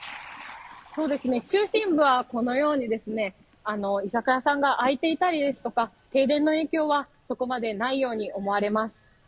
中心部はこのように、居酒屋さんが開いていたりですとか停電の影響はそこまでないように思われます。